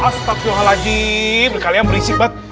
astagfirullahaladzim kalian berisik banget